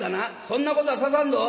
そんなことはささんぞ。